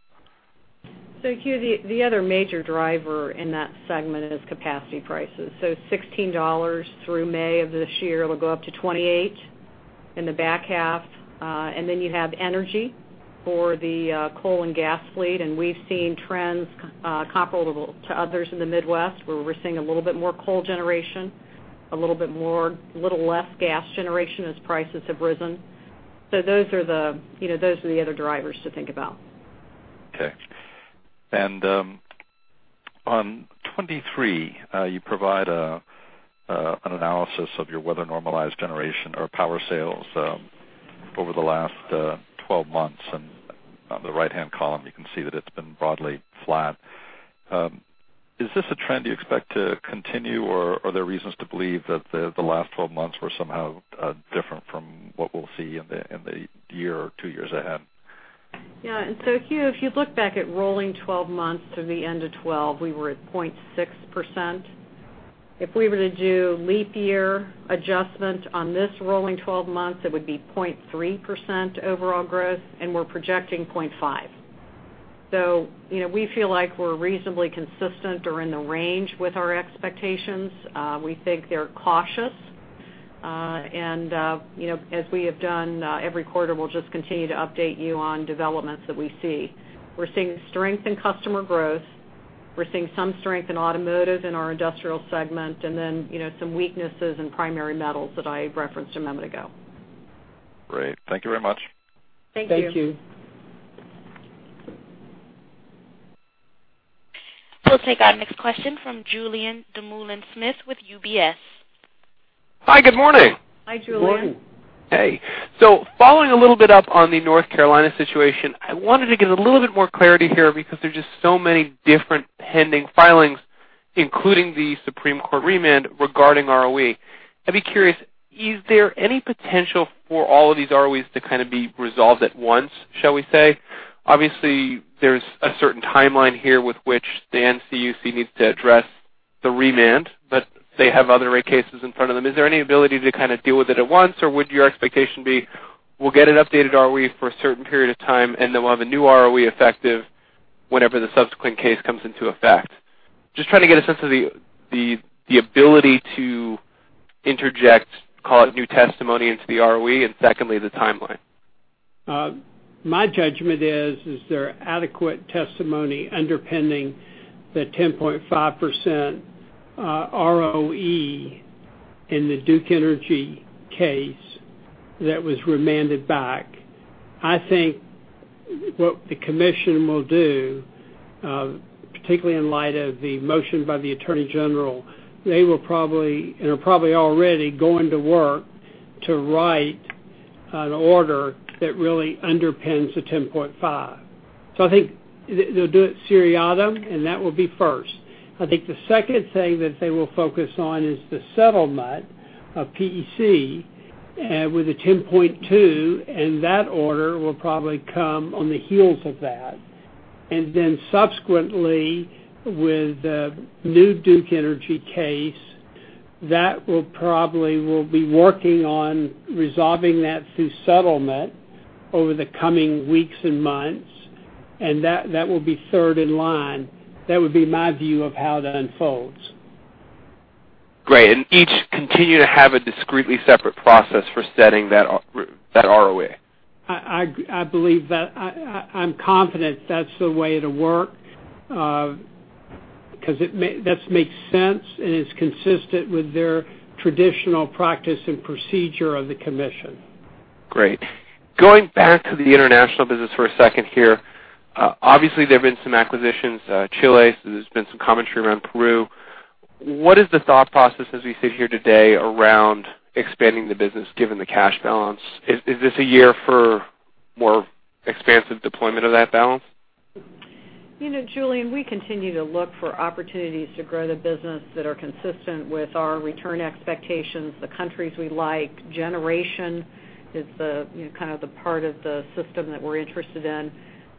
Hugh, the other major driver in that segment is capacity prices. It's $16 through May of this year. It'll go up to $28 in the back half. Then you have energy for the coal and gas fleet. We've seen trends comparable to others in the Midwest, where we're seeing a little bit more coal generation, a little less gas generation as prices have risen. Those are the other drivers to think about. On 23, you provide an analysis of your weather-normalized generation or power sales over the last 12 months. On the right-hand column, you can see that it's been broadly flat. Is this a trend you expect to continue, or are there reasons to believe that the last 12 months were somehow different from what we'll see in the year or two years ahead? Yeah. Hugh, if you look back at rolling 12 months to the end of 2012, we were at 0.6%. If we were to do leap year adjustment on this rolling 12 months, it would be 0.3% overall growth, and we're projecting 0.5%. We feel like we're reasonably consistent or in the range with our expectations. We think they're cautious. As we have done every quarter, we'll just continue to update you on developments that we see. We're seeing strength in customer growth. We're seeing some strength in automotive in our industrial segment and then some weaknesses in primary metals that I referenced a moment ago. Great. Thank you very much. Thank you. Thank you. We'll take our next question from Julien Dumoulin-Smith with UBS. Hi, good morning. Hi, Julien. Hello. Following a little bit up on the North Carolina situation, I wanted to get a little bit more clarity here because there's just so many different pending filings, including the Supreme Court remand regarding ROE. I'd be curious, is there any potential for all of these ROEs to kind of be resolved at once, shall we say? Obviously, there's a certain timeline here with which the NCUC needs to address the remand, but they have other rate cases in front of them. Is there any ability to kind of deal with it at once, or would your expectation be we'll get an updated ROE for a certain period of time, and then we'll have a new ROE effective whenever the subsequent case comes into effect? Just trying to get a sense of the ability to interject, call it new testimony into the ROE, and secondly, the timeline. My judgment is there are adequate testimony underpinning the 10.5% ROE in the Duke Energy case that was remanded back. I think what the commission will do, particularly in light of the motion by the Attorney General, they will probably, and are probably already going to work to write an order that really underpins the 10.5. I think they'll do it seriatim, and that will be first. I think the second thing that they will focus on is the settlement of PEC, with the 10.2, and that order will probably come on the heels of that. Subsequently, with the new Duke Energy case, that we'll probably will be working on resolving that through settlement over the coming weeks and months, and that will be third in line. That would be my view of how that unfolds. Great. Each continue to have a discreetly separate process for setting that ROE. I'm confident that's the way it'll work, because that makes sense and is consistent with their traditional practice and procedure of the commission. Going back to the international business for a second here. There have been some acquisitions, Chile, so there's been some commentary around Peru. What is the thought process as we sit here today around expanding the business, given the cash balance? Is this a year for more expansive deployment of that balance? Julien, we continue to look for opportunities to grow the business that are consistent with our return expectations, the countries we like. Generation is the part of the system that we're interested in.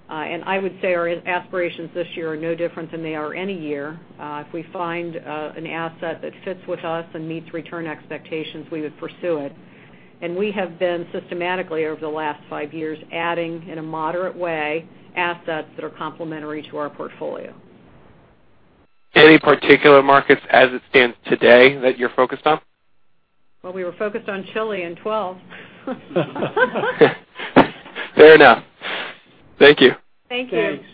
I would say our aspirations this year are no different than they are any year. If we find an asset that fits with us and meets return expectations, we would pursue it. We have been systematically, over the last five years, adding, in a moderate way, assets that are complementary to our portfolio. Any particular markets as it stands today that you're focused on? Well, we were focused on Chile in 2012. Fair enough. Thank you. Thank you. Thanks.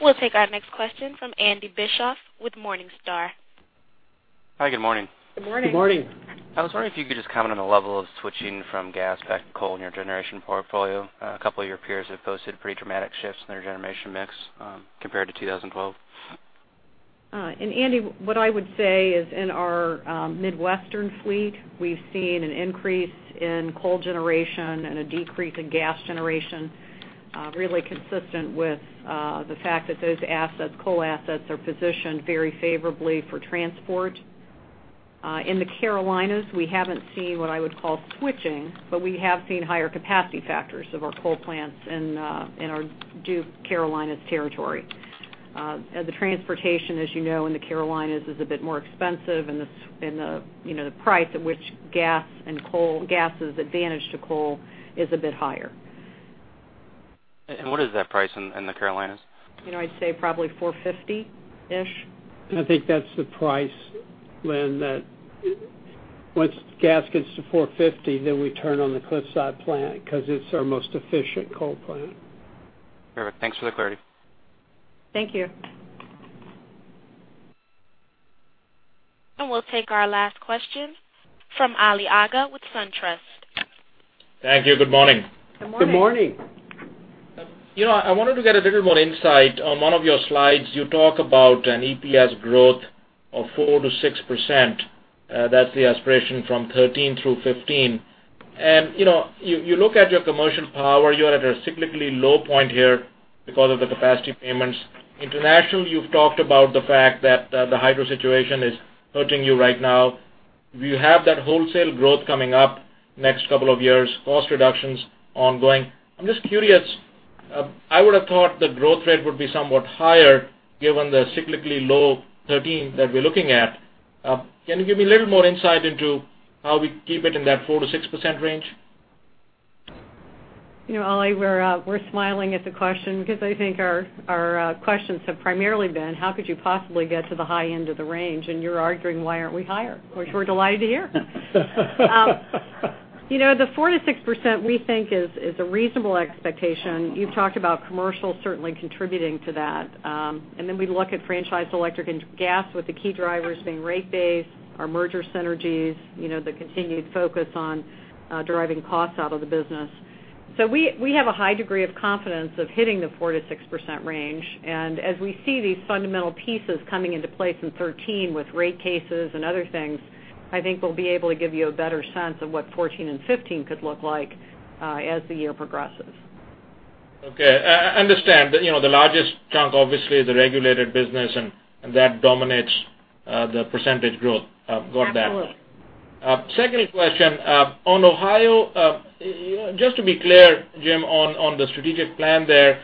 We'll take our next question from Andy Bischof with Morningstar. Hi, good morning. Good morning. Good morning. I was wondering if you could just comment on the level of switching from gas back to coal in your generation portfolio. A couple of your peers have posted pretty dramatic shifts in their generation mix compared to 2012. Andy, what I would say is in our Midwestern fleet, we've seen an increase in coal generation and a decrease in gas generation, really consistent with the fact that those assets, coal assets, are positioned very favorably for transport. In the Carolinas, we haven't seen what I would call switching, but we have seen higher capacity factors of our coal plants in our Duke Carolinas territory. The transportation, as you know, in the Carolinas is a bit more expensive, and the price at which gas' advantage to coal is a bit higher. What is that price in the Carolinas? I'd say probably $450-ish. I think that's the price, Lynn, that once gas gets to $450, then we turn on the Cliffside plant because it's our most efficient coal plant. Perfect. Thanks for the clarity. Thank you. We'll take our last question from Ali Agha with SunTrust. Thank you. Good morning. Good morning. Good morning. I wanted to get a bit more insight. On one of your slides, you talk about an EPS growth of 4% to 6%. That's the aspiration from 2013 through 2015. You look at your commercial power, you're at a cyclically low point here because of the capacity payments. International, you've talked about the fact that the hydro situation is hurting you right now. You have that wholesale growth coming up next couple of years, cost reductions ongoing. I'm just curious, I would have thought the growth rate would be somewhat higher given the cyclically low 2013 that we're looking at. Can you give me a little more insight into how we keep it in that 4% to 6% range? Ali, we're smiling at the question because I think our questions have primarily been, how could you possibly get to the high end of the range? You're arguing, why aren't we higher? Which we're delighted to hear. The 4% to 6%, we think is a reasonable expectation. You've talked about commercial certainly contributing to that. We look at Franchised Electric and Gas with the key drivers being rate base, our merger synergies, the continued focus on driving costs out of the business. We have a high degree of confidence of hitting the 4% to 6% range. As we see these fundamental pieces coming into place in 2013 with rate cases and other things, I think we'll be able to give you a better sense of what 2014 and 2015 could look like as the year progresses. Okay. I understand. The largest chunk, obviously, is the regulated business, and that dominates the percentage growth. Got that. Absolutely. Second question. On Ohio, just to be clear, Jim, on the strategic plan there,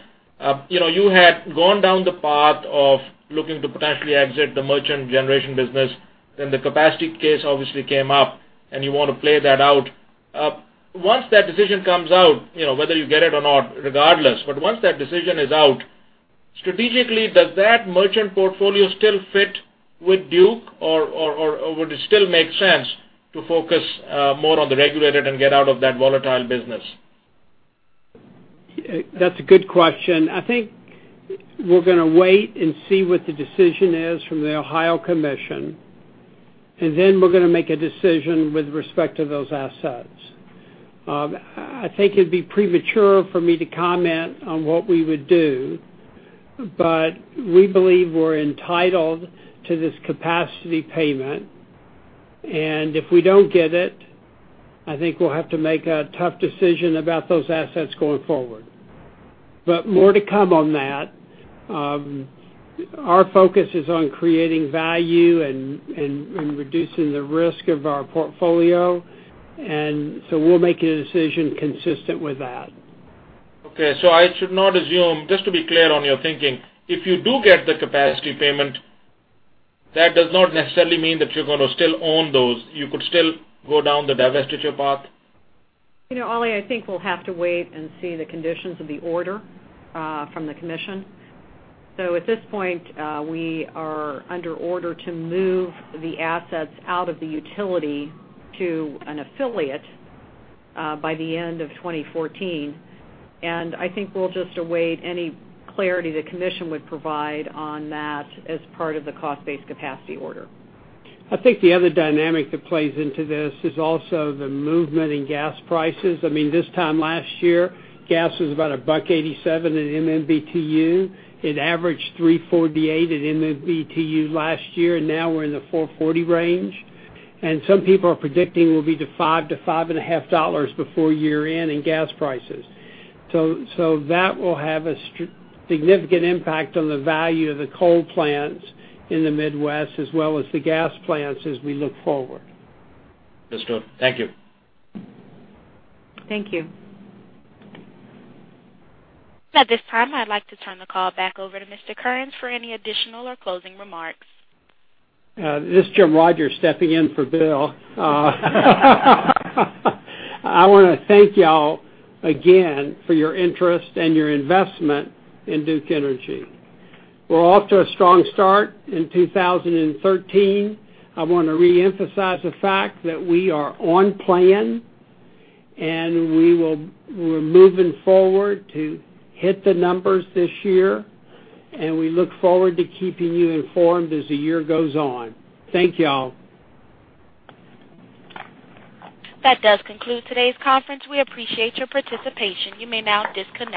you had gone down the path of looking to potentially exit the merchant generation business, then the capacity case obviously came up and you want to play that out. Once that decision comes out, whether you get it or not, regardless, but once that decision is out, strategically, does that merchant portfolio still fit with Duke or would it still make sense to focus more on the regulated and get out of that volatile business? That's a good question. I think we're going to wait and see what the decision is from the Ohio Commission, then we're going to make a decision with respect to those assets. I think it'd be premature for me to comment on what we would do, we believe we're entitled to this capacity payment. If we don't get it, I think we'll have to make a tough decision about those assets going forward. More to come on that. Our focus is on creating value and reducing the risk of our portfolio, we'll make a decision consistent with that. Okay. I should not assume, just to be clear on your thinking, if you do get the capacity payment, that does not necessarily mean that you're going to still own those. You could still go down the divestiture path? Ali, I think we'll have to wait and see the conditions of the order from the Commission. At this point, we are under order to move the assets out of the utility to an affiliate by the end of 2014, I think we'll just await any clarity the Commission would provide on that as part of the cost-based capacity order. I think the other dynamic that plays into this is also the movement in gas prices. I mean, this time last year, gas was about $1.87 at MMBtu. It averaged $3.48 at MMBtu last year, and now we're in the $4.40 range. Some people are predicting we'll be to $5-$5.50 before year-end in gas prices. That will have a significant impact on the value of the coal plants in the Midwest, as well as the gas plants as we look forward. That's true. Thank you. Thank you. At this time, I'd like to turn the call back over to Mr. Tyndall for any additional or closing remarks. This is Jim Rogers stepping in for Bill. I want to thank y'all again for your interest and your investment in Duke Energy. We're off to a strong start in 2013. I want to reemphasize the fact that we are on plan. We're moving forward to hit the numbers this year. We look forward to keeping you informed as the year goes on. Thank you all. That does conclude today's conference. We appreciate your participation. You may now disconnect.